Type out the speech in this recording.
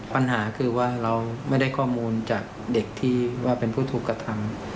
ปัญหาคือว่าเราไม่ได้ข้อมูลจากเด็กที่ว่าเป็นผู้ถูกกระทำ